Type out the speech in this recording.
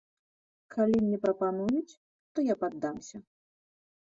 Калі мне прапануюць, то я падамся!